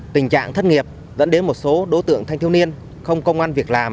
tình trạng thất nghiệp dẫn đến một số đối tượng thanh thiếu niên không công an việc làm